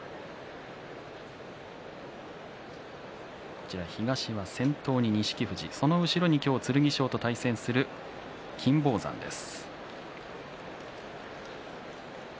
こちら東は先頭に錦富士後ろに剣翔と対戦する金峰山です。